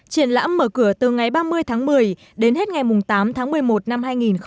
triển lãm mở cửa từ ngày ba mươi tháng một mươi đến hết ngày tám tháng một mươi một năm hai nghìn một mươi chín